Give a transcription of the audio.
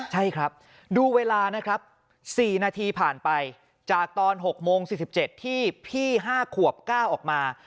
ใช่ครับดูเวลานะครับ๔นาทีผ่านไปจากตอน๖โมง๔๗ที่พี่๕ขวบ๙ออกมา